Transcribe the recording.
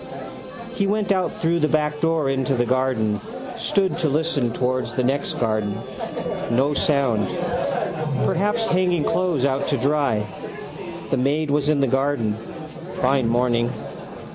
He went out through the backdoor into the garden: stood to listen towards the next garden. No sound. Perhaps hanging clothes out to dry. The maid was in the garden. Fine morning.